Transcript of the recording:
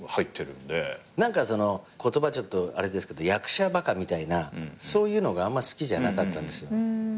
その言葉ちょっとあれですけど役者バカみたいなそういうのがあんま好きじゃなかったんですよ。